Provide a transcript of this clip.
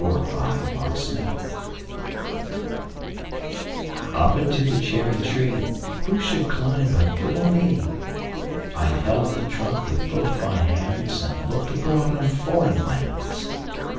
9. Foreign Lands UP into the cherry treeWho should climb but little me?I held the trunk with both my handsAnd looked abroad on foreign lands.